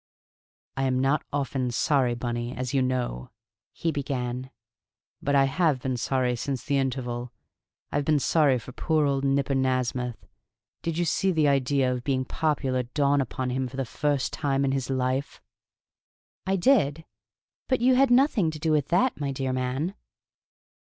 "I am not often sorry, Bunny, as you know," he began. "But I have been sorry since the interval. I've been sorry for poor old Nipper Nasmyth. Did you see the idea of being popular dawn upon him for the first time in his life?" "I did; but you had nothing to do with that, my dear man."